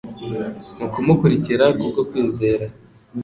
Mu kumukurikira kubwo kwizera,